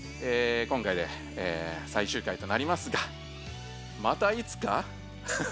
今回で最終回となりますがまたいつか？